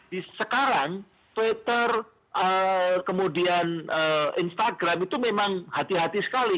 di sekarang twitter kemudian instagram itu memang hati hati sekali